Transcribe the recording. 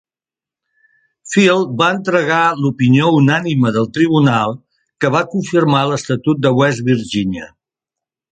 Field va entregar l'opinió unànime del tribunal que va confirmar l'estatut de West Virginia.